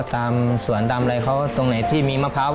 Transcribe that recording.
ตามสวนตามอะไรเขาตรงไหนที่มีมะพร้าว